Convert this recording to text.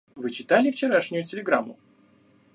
Вы читали вчерашнюю телеграмму?